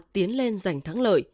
tiến lên giành thắng lợi